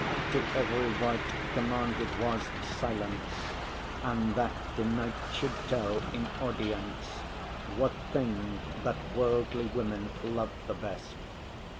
To every wight commanded was silence, And that the knight should tell in audience, What thing that worldly women love the best.